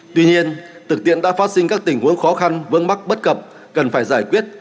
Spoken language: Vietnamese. tuy nhiên thực tiễn đã phát sinh các tình huống khó khăn vương mắc bất cập cần phải giải quyết